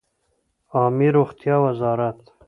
عامې روغتیا وزارت